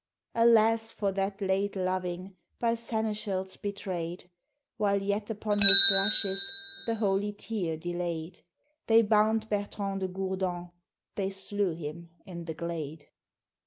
Alas for that late loving By seneschals betrayed! While yet upon his lashes The holy tear delayed, They bound Bertrand de Gourdon, They slew him in the glade.